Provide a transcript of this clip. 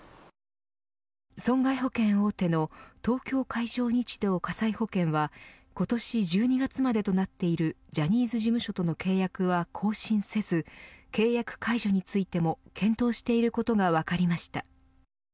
損害保険大手の東京海上日動火災保険は今年１２月までとなっているジャニーズ事務所との契約は更新せず契約解除についても検討していることが分かりました。